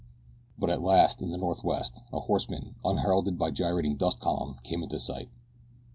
But at last, in the northwest, a horseman, unheralded by gyrating dust column, came into sight.